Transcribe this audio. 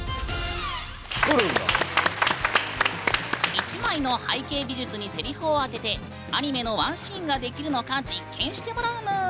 １枚の背景美術にセリフを当ててアニメのワンシーンができるのか実験してもらうぬん。